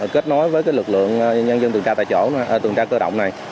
kết nối với cái lực lượng nhân dân tuần tra cơ động này